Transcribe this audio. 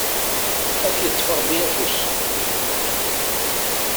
Ad ak-yeṭṭef Rebbi afus!